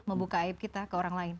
membuka aib kita ke orang lain